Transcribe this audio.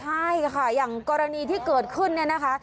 ใช่ค่ะอย่างกรณีที่เกิดขึ้นเนี่ยนะคะ